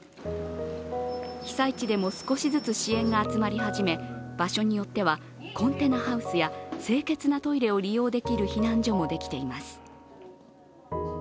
被災地でも少しずつ支援が集まり始め、場所によってはコンテナハウスや清潔なトイレを利用できる避難所もできています。